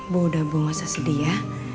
bu udah buang masa sedih ya